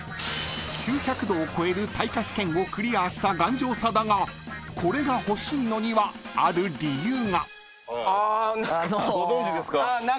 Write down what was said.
［９００℃を超える耐火試験をクリアした頑丈さだがこれが欲しいのにはある理由が］